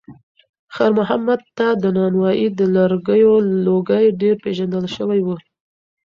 خیر محمد ته د نانوایۍ د لرګیو لوګی ډېر پیژندل شوی و.